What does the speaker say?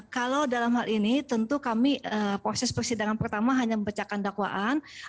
kalau dalam hal ini tentu kami proses persidangan pertama hanya membacakan dakwaan